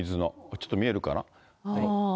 ちょっと見えるかな？